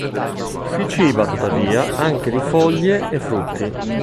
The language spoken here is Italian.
Si ciba tuttavia anche di foglie e frutti.